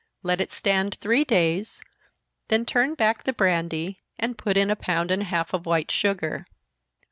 Let it stand three days, then turn back the brandy, and put in a pound and a half of white sugar.